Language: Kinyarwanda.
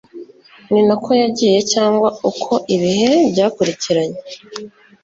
ni nako yagiye yangwa uko ibihe byakurikiranye,